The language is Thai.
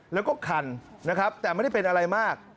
แล้วก็คันนะครับแต่ไม่ได้เป็นอะไรมาก